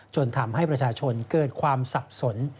จนทำให้ประชาชนเกิดความสับสน